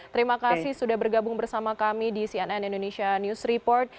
terima kasih sudah bergabung bersama kami di cnn indonesia news report